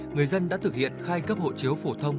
người dân đã thực hiện khai cấp hộ chiếu phổ thông